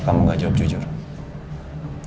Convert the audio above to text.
karena saya tau kau pasti punya masalah